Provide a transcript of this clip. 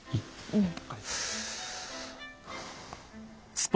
うん。